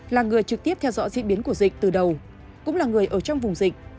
là người trực tiếp theo dõi diễn biến của dịch từ đầu cũng là người ở trong vùng dịch